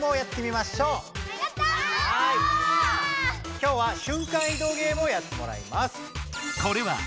今日は「瞬間移動ゲーム」をやってもらいます。